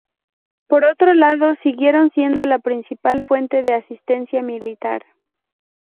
Por otro lado, siguieron siendo la principal fuente de asistencia militar.